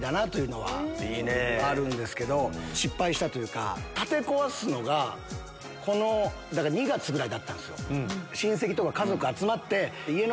あるんですけど失敗したというか立て壊すのが２月ぐらいだったんですよ。